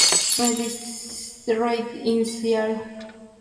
Reside en Seattle.